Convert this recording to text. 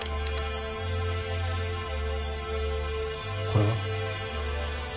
これは？